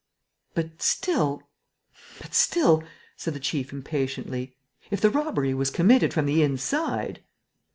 "But, still ... but, still," said the chief, impatiently, "if the robbery was committed from the inside...."